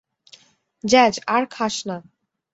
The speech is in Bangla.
জ্যাজ, আর খাস না।